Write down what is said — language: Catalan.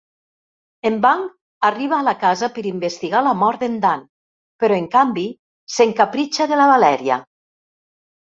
En Bung arriba a la casa per investigar la mort d'en Dann, però, en canvi, s'encapritxa de la Valeria.